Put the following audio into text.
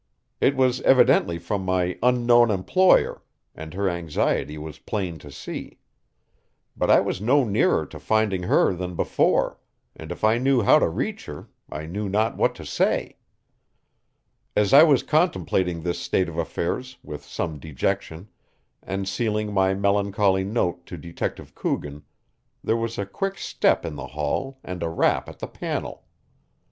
It was evidently from my unknown employer, and her anxiety was plain to see. But I was no nearer to finding her than before, and if I knew how to reach her I knew not what to say. As I was contemplating this state of affairs with some dejection, and sealing my melancholy note to Detective Coogan, there was a quick step in the hall and a rap at the panel.